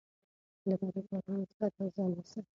له بدو کارونو څخه تل ځان وساتئ.